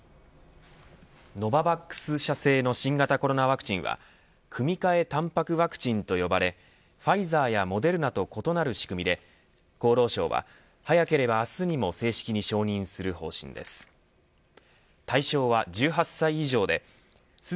ノババックス社製の新型コロナワクチンは組み換えたんぱくワクチンと呼ばれファイザーやモデルナと異なる仕組みで厚労省は早ければ明日にも正式に承認する方針です。